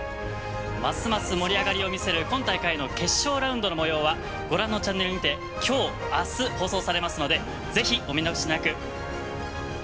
ますます盛り上がりを見せる、大会の、決勝ラウンドの様子はご覧のチャンネルにて、きょう、あす放送されますので、ぜひお見逃しなく！